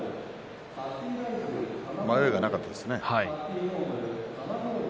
迷いがなかったですね。